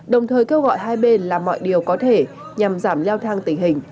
đồng thời kêu gọi hai bên làm mọi điều có thể nhằm giảm leo thang tình hình